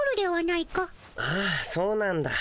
ああそうなんだ。